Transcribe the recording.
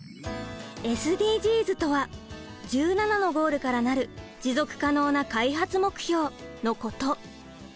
ＳＤＧｓとは１７のゴールから成る持続可能な開発目標のこと。